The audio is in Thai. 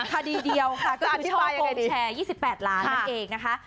คดีเดียวค่ะก็คือช่อกงแชร์๒๘ล้านนั่นเองนะคะ